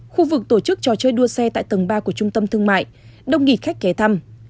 khu vực tổ chức trò chơi đua xe tại tầng ba của trung tâm thương mại đông nghịt khách ghé thăm